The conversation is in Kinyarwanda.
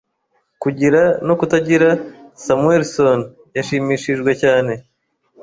Kugira no Kutagira Samuelson yashimishijwe cyane